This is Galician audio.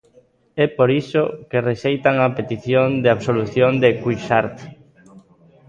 É por iso que rexeitan a petición de absolución de Cuixart.